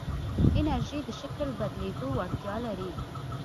انرژی د شکل بدلېدو وړتیا لري.